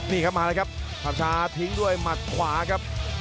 นี่ก็มาแล้วกับภาพช้าทิ้งด้วยหมัดขวาครับ